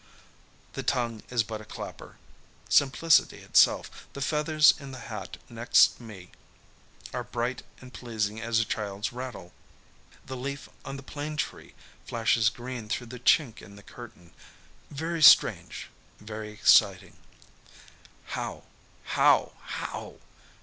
The tongue is but a clapper. Simplicity itself. The feathers in the hat next me are bright and pleasing as a child's rattle. The leaf on the plane tree flashes green through the chink in the curtain. Very strange, very exciting. "How how how!"